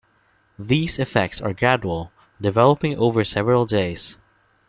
These effects are gradual, developing over several days.